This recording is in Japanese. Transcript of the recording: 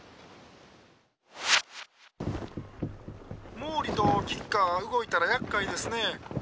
「毛利と吉川が動いたらやっかいですね」。